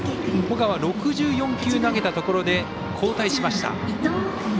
保川、６４球投げたところで交代しました。